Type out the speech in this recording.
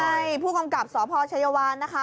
นี่ไงผู้กำกับสพชวนะคะ